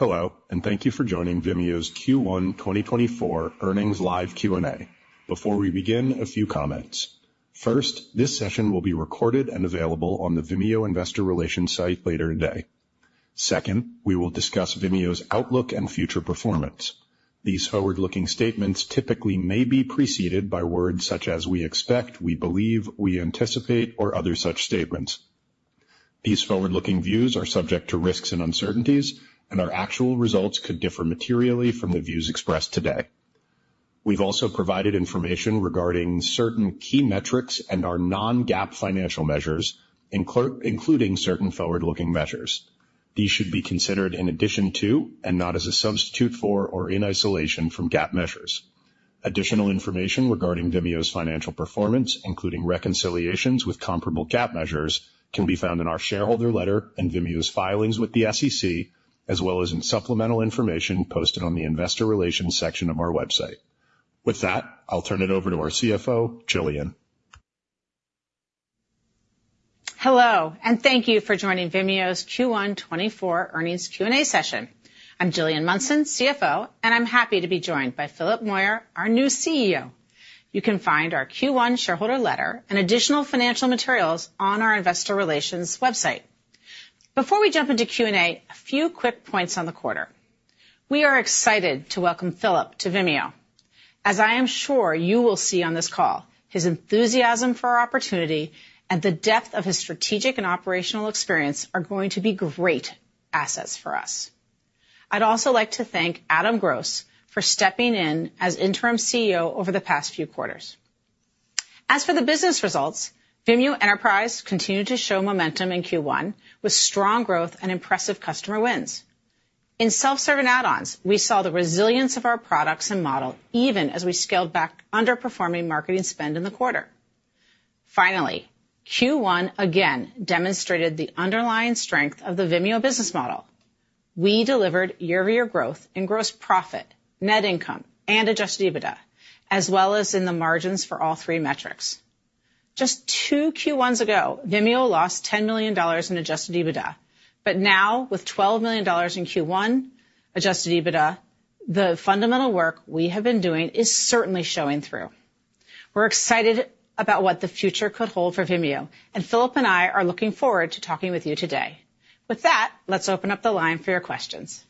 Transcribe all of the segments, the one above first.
Hello, and thank you for joining Vimeo's Q1 2024 Earnings Live Q&A. Before we begin, a few comments. First, this session will be recorded and available on the Vimeo Investor Relations site later today. Second, we will discuss Vimeo's outlook and future performance. These forward-looking statements typically may be preceded by words such as "we expect," "we believe," "we anticipate," or other such statements. These forward-looking views are subject to risks and uncertainties, and our actual results could differ materially from the views expressed today. We've also provided information regarding certain key metrics and our non-GAAP financial measures, including certain forward-looking measures. These should be considered in addition to, and not as a substitute for, or in isolation from GAAP measures. Additional information regarding Vimeo's financial performance, including reconciliations with comparable GAAP measures, can be found in our shareholder letter and Vimeo's filings with the SEC, as well as in supplemental information posted on the Investor Relations section of our website. With that, I'll turn it over to our CFO, Gillian. Hello, and thank you for joining Vimeo's Q1 2024 earnings Q&A session. I'm Gillian Munson, CFO, and I'm happy to be joined by Philip Moyer, our new CEO. You can find our Q1 shareholder letter and additional financial materials on our Investor Relations website. Before we jump into Q&A, a few quick points on the quarter. We are excited to welcome Philip to Vimeo. As I am sure you will see on this call, his enthusiasm for our opportunity and the depth of his strategic and operational experience are going to be great assets for us. I'd also like to thank Adam Gross for stepping in as interim CEO over the past few quarters. As for the business results, Vimeo Enterprise continued to show momentum in Q1, with strong growth and impressive customer wins. In self-serve and add-ons, we saw the resilience of our products and model, even as we scaled back underperforming marketing spend in the quarter. Finally, Q1 again demonstrated the underlying strength of the Vimeo business model. We delivered year-over-year growth in gross profit, net income, and adjusted EBITDA, as well as in the margins for all three metrics. Just two Q1s ago, Vimeo lost $10 million in adjusted EBITDA, but now, with $12 million in Q1 adjusted EBITDA, the fundamental work we have been doing is certainly showing through. We're excited about what the future could hold for Vimeo, and Philip and I are looking forward to talking with you today. With that, let's open up the line for your questions.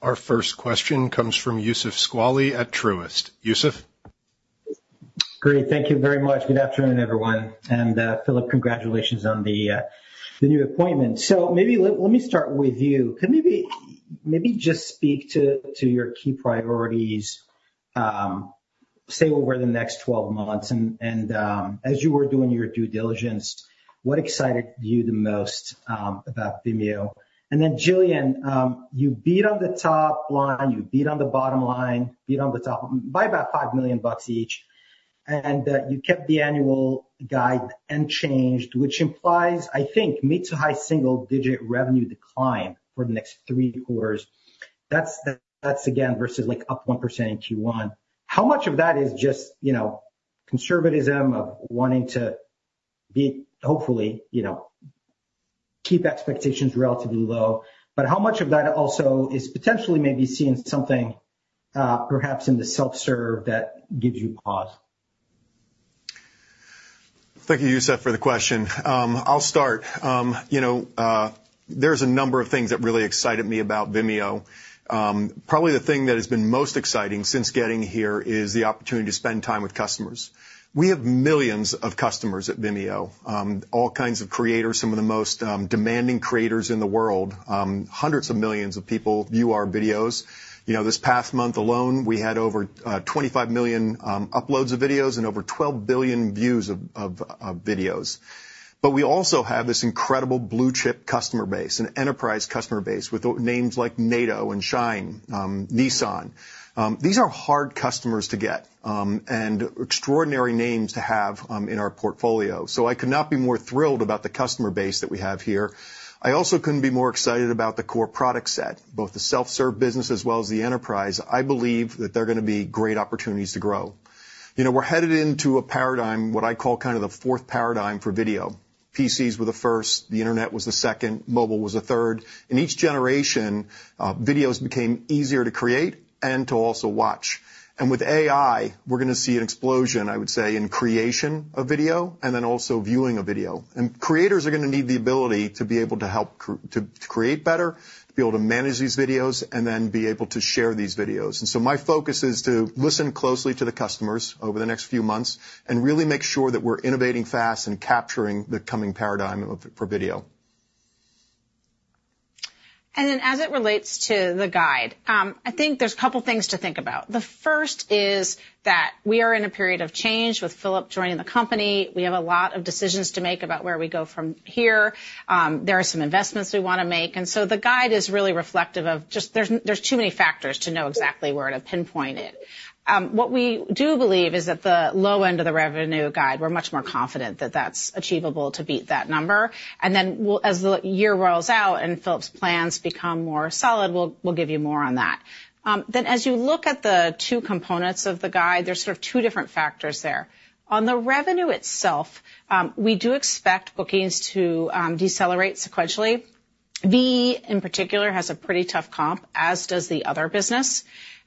Our first question comes from Youssef Squali at Truist. Youssef? Great. Thank you very much. Good afternoon, everyone. And, Philip, congratulations on the new appointment. So maybe let me start with you. Can you maybe just speak to your key priorities, say, over the next 12 months, and, as you were doing your due diligence, what excited you the most about Vimeo? And then, Gillian, you beat on the top line, you beat on the bottom line, beat on the top by about $5 million each, and, you kept the annual guide unchanged, which implies, I think, mid- to high single-digit revenue decline for the next three quarters. That's, again, versus, like, up 1% in Q1. How much of that is just, you know, conservatism of wanting to be, hopefully, you know, keep expectations relatively low, but how much of that also is potentially maybe seeing something, perhaps in the self-serve that gives you pause? Thank you, Youssef, for the question. I'll start. You know, there's a number of things that really excited me about Vimeo. Probably the thing that has been most exciting since getting here is the opportunity to spend time with customers. We have millions of customers at Vimeo, all kinds of creators, some of the most demanding creators in the world. Hundreds of millions of people view our videos. You know, this past month alone, we had over 25 million uploads of videos and over 12 billion views of videos. But we also have this incredible blue-chip customer base and enterprise customer base with names like NATO and SHEIN, Nissan. These are hard customers to get, and extraordinary names to have in our portfolio, so I could not be more thrilled about the customer base that we have here. I also couldn't be more excited about the core product set, both the self-serve business as well as the enterprise. I believe that they're gonna be great opportunities to grow. You know, we're headed into a paradigm, what I call kind of the fourth paradigm for video. PCs were the first, the internet was the second, mobile was the third. In each generation, videos became easier to create and to also watch. And with AI, we're gonna see an explosion, I would say, in creation of video and then also viewing a video. And creators are gonna need the ability to be able to create better, to be able to manage these videos, and then be able to share these videos. And so my focus is to listen closely to the customers over the next few months and really make sure that we're innovating fast and capturing the coming paradigm of video. And then, as it relates to the guide, I think there's a couple things to think about. The first is that we are in a period of change with Philip joining the company. We have a lot of decisions to make about where we go from here. There are some investments we wanna make, and so the guide is really reflective of just— there are too many factors to know exactly where to pinpoint it. What we do believe is that the low end of the revenue guide, we're much more confident that that's achievable to beat that number. And then, as the year rolls out and Philip's plans become more solid, we'll give you more on that. Then as you look at the two components of the guide, there's sort of two different factors there. On the revenue itself, we do expect bookings to decelerate sequentially. VE, in particular, has a pretty tough comp, as does the other business.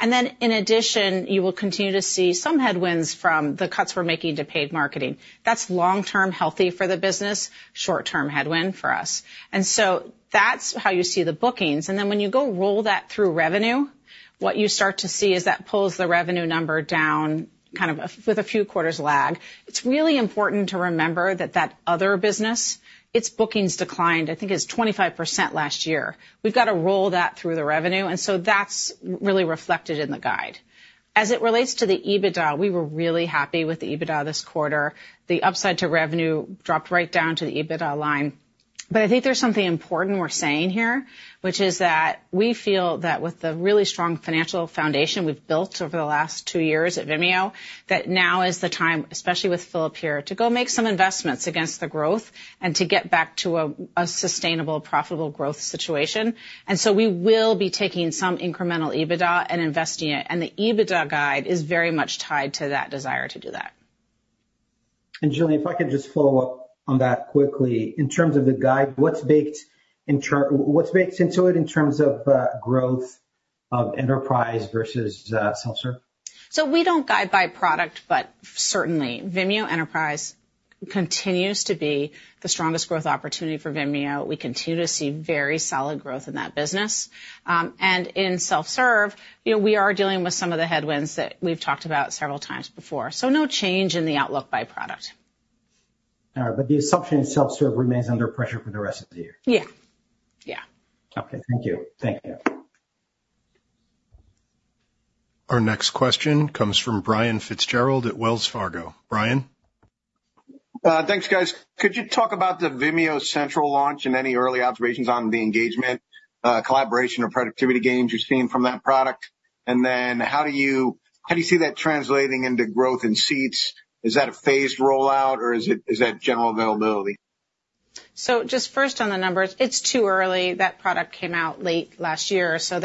And then, in addition, you will continue to see some headwinds from the cuts we're making to paid marketing. That's long-term healthy for the business, short-term headwind for us. And so that's how you see the bookings. And then when you go roll that through revenue, what you start to see is that pulls the revenue number down, kind of, with a few quarters lag. It's really important to remember that that other business, its bookings declined, I think it was 25% last year. We've got to roll that through the revenue, and so that's really reflected in the guide. As it relates to the EBITDA, we were really happy with the EBITDA this quarter. The upside to revenue dropped right down to the EBITDA line. But I think there's something important we're saying here, which is that we feel that with the really strong financial foundation we've built over the last two years at Vimeo, that now is the time, especially with Philip here, to go make some investments against the growth and to get back to a sustainable, profitable growth situation. And so we will be taking some incremental EBITDA and investing it, and the EBITDA guide is very much tied to that desire to do that. Gillian, if I could just follow up on that quickly. In terms of the guide, what's baked into it in terms of growth of enterprise versus self-serve? So we don't guide by product, but certainly. Vimeo Enterprise continues to be the strongest growth opportunity for Vimeo. We continue to see very solid growth in that business. And in self-serve, you know, we are dealing with some of the headwinds that we've talked about several times before. So no change in the outlook by product. All right, but the assumption in self-serve remains under pressure for the rest of the year? Yeah. Yeah. Okay. Thank you. Thank you. Our next question comes from Brian Fitzgerald at Wells Fargo. Brian? Thanks, guys. Could you talk about the Vimeo Central launch and any early observations on the engagement, collaboration, or productivity gains you're seeing from that product? And then how do you, how do you see that translating into growth in seats? Is that a phased rollout, or is it general availability? Just first on the numbers, it's too early. That product came out late last year, so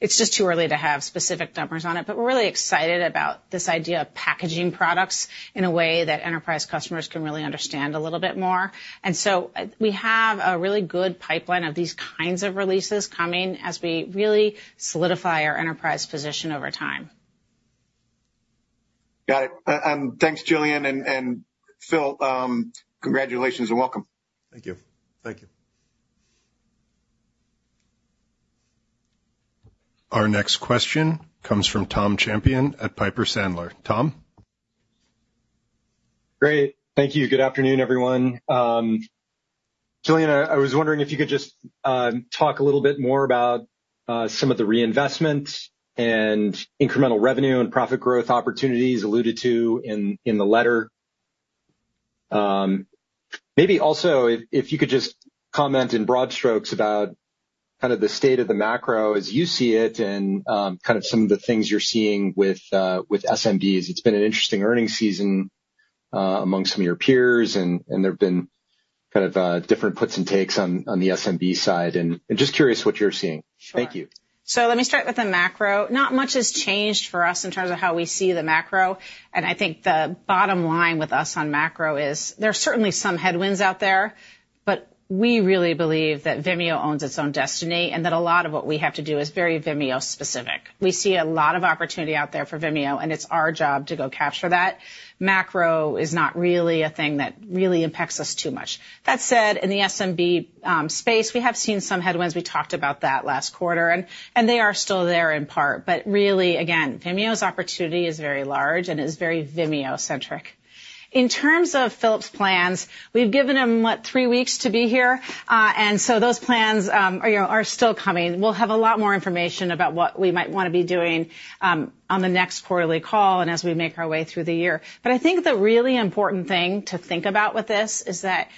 it's just too early to have specific numbers on it. But we're really excited about this idea of packaging products in a way that enterprise customers can really understand a little bit more. And so we have a really good pipeline of these kinds of releases coming as we really solidify our enterprise position over time. Got it. Thanks, Gillian. And Phil, congratulations and welcome. Thank you. Thank you. Our next question comes from Tom Champion at Piper Sandler. Tom? Great, thank you. Good afternoon, everyone. Gillian, I, I was wondering if you could just talk a little bit more about some of the reinvestments and incremental revenue and profit growth opportunities alluded to in, in the letter. Maybe also if, if you could just comment in broad strokes about kind of the state of the macro as you see it and kind of some of the things you're seeing with with SMBs. It's been an interesting earnings season amongst some of your peers, and, and there have been kind of different puts and takes on, on the SMB side, and just curious what you're seeing. Sure. Thank you. So let me start with the macro. Not much has changed for us in terms of how we see the macro, and I think the bottom line with us on macro is there are certainly some headwinds out there, but we really believe that Vimeo owns its own destiny, and that a lot of what we have to do is very Vimeo specific. We see a lot of opportunity out there for Vimeo, and it's our job to go capture that. Macro is not really a thing that really impacts us too much. That said, in the SMB space, we have seen some headwinds. We talked about that last quarter, and they are still there in part. But really, again, Vimeo's opportunity is very large and is very Vimeo centric. In terms of Philip's plans, we've given him, what, three weeks to be here, and so those plans, you know, are still coming. We'll have a lot more information about what we might wanna be doing, on the next quarterly call and as we make our way through the year. But I think the really important thing to think about with this is that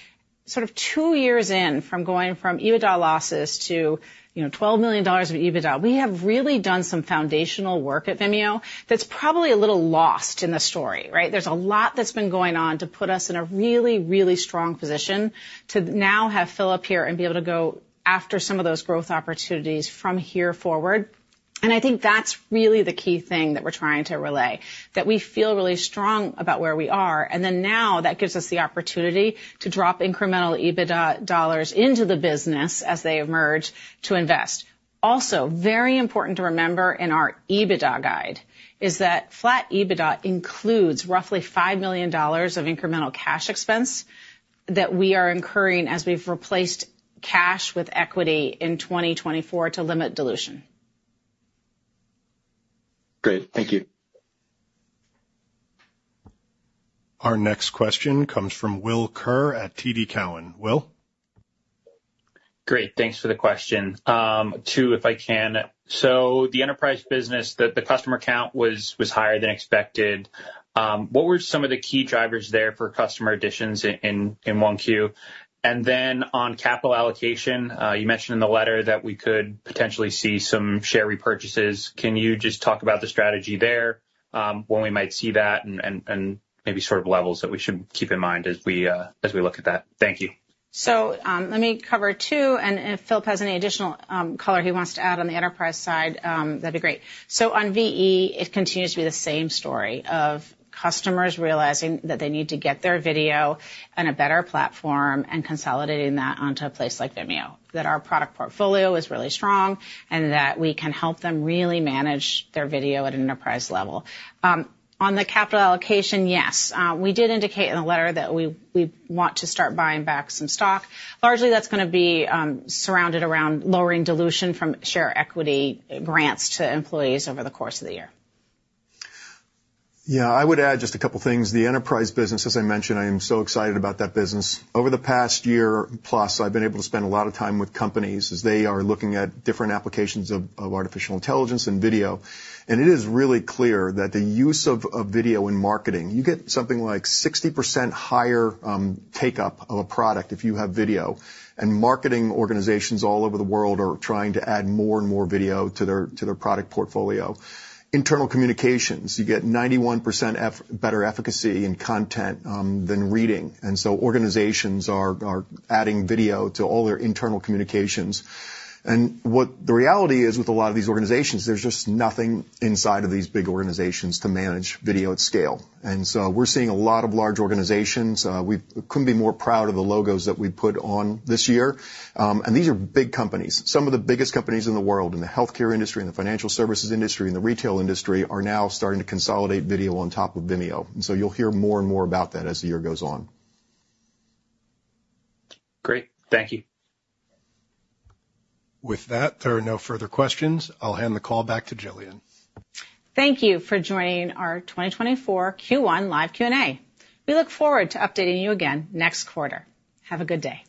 sort of two years in, from going from EBITDA losses to, you know, $12 million of EBITDA, we have really done some foundational work at Vimeo that's probably a little lost in the story, right? There's a lot that's been going on to put us in a really, really strong position to now have Philip here and be able to go after some of those growth opportunities from here forward. I think that's really the key thing that we're trying to relay, that we feel really strong about where we are, and then now that gives us the opportunity to drop incremental EBITDA dollars into the business as they emerge to invest. Also, very important to remember in our EBITDA guide is that flat EBITDA includes roughly $5 million of incremental cash expense that we are incurring as we've replaced cash with equity in 2024 to limit dilution. Great. Thank you. Our next question comes from Will Kerr at TD Cowen. Will? Great, thanks for the question. 2, if I can. So the enterprise business, the customer count was higher than expected. What were some of the key drivers there for customer additions in 1Q? And then on capital allocation, you mentioned in the letter that we could potentially see some share repurchases. Can you just talk about the strategy there, when we might see that, and maybe sort of levels that we should keep in mind as we look at that? Thank you. So, let me cover two, and if Philip has any additional color he wants to add on the enterprise side, that'd be great. So on VE, it continues to be the same story of customers realizing that they need to get their video on a better platform and consolidating that onto a place like Vimeo, that our product portfolio is really strong and that we can help them really manage their video at an enterprise level. On the capital allocation, yes, we did indicate in the letter that we want to start buying back some stock. Largely, that's gonna be surrounded around lowering dilution from share equity grants to employees over the course of the year. Yeah, I would add just a couple of things. The enterprise business, as I mentioned, I am so excited about that business. Over the past year plus, I've been able to spend a lot of time with companies as they are looking at different applications of artificial intelligence and video. And it is really clear that the use of video in marketing, you get something like 60% higher uptake of a product if you have video. And marketing organizations all over the world are trying to add more and more video to their product portfolio. Internal communications, you get 91% better efficacy in content than reading, and so organizations are adding video to all their internal communications. What the reality is with a lot of these organizations, there's just nothing inside of these big organizations to manage video at scale. So we're seeing a lot of large organizations. We couldn't be more proud of the logos that we put on this year. These are big companies. Some of the biggest companies in the world, in the healthcare industry, in the financial services industry, in the retail industry, are now starting to consolidate video on top of Vimeo. So you'll hear more and more about that as the year goes on. Great. Thank you. With that, there are no further questions. I'll hand the call back to Gillian. Thank you for joining our 2024 Q1 live Q&A. We look forward to updating you again next quarter. Have a good day.